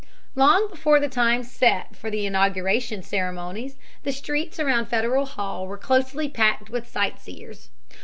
Long before the time set for the inauguration ceremonies, the streets around Federal Hall were closely packed with sightseers.